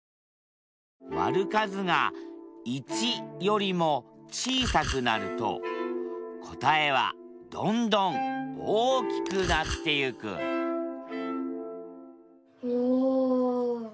割る数が１よりも小さくなると答えはどんどん大きくなってゆくおお！